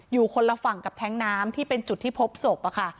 อยู่คนละฝั่งกับแท้งน้ำที่เป็นจุดที่พบศพค่ะ